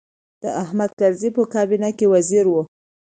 د حامد کرزي په کابینه کې وزیر و.